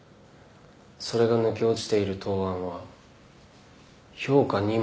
それが抜け落ちている答案は評価にも値しない。